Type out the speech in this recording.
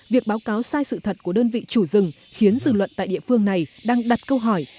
việc báo cáo sai sự thật của đơn vị chủ rừng khiến dư luận tại địa phương này đang đặt câu hỏi